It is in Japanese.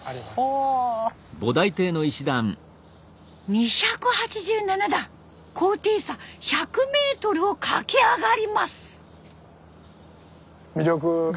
２８７段高低差１００メートルを駆け上がります。